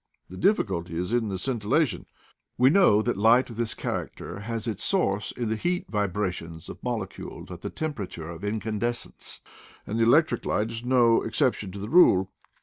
The difficulty is in the scintilla tion. We know that light of this character has its source in the heat vibrations of molecules at the temperature of incandescence, and the electric 188 IDLE DAYS IN PATAGONIA light is no exception to the rule.